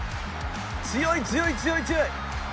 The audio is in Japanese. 強い強い強い強い。